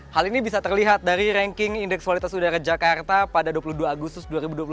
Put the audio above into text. hal ini bisa terlihat dari ranking indeks kualitas udara jakarta pada dua puluh dua agustus dua ribu dua puluh satu